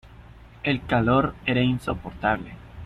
el calor era insoportable.